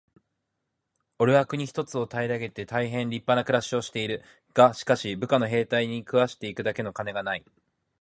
「おれは国一つを平げて大へん立派な暮しをしている。がしかし、部下の兵隊に食わして行くだけの金がない。」